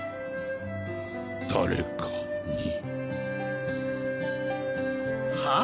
誰かに。はあ？